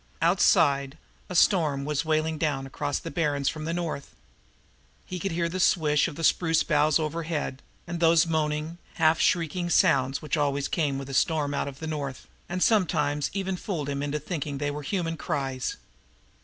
Outside a storm was wailing down across the Barrens from the North. He could hear the swish of the spruce boughs overhead, and those moaning, half shrieking sounds that always came with storm from out of the North, and sometimes fooled even him into thinking they were human cries.